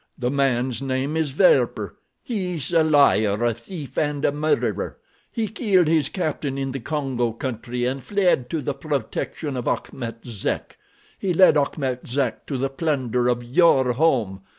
The man's name is Werper. He is a liar, a thief, and a murderer. He killed his captain in the Congo country and fled to the protection of Achmet Zek. He led Achmet Zek to the plunder of your home.